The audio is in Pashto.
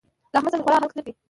له احمد سره مې خورا حلق تريخ دی.